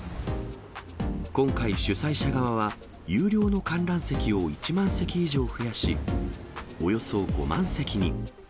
今回、主催者側は有料の観覧席を１万席以上増やし、およそ５万席に。